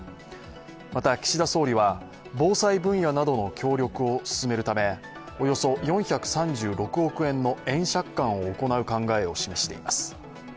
また、岸田総理は防災分野などの協力を進めるためおよそ４３６億円の円借款を行う考えを示しています。